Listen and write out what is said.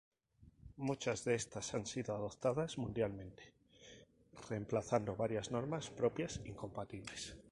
Muchas de estas han sido adoptadas mundialmente, reemplazando varias normas "propias" incompatibles.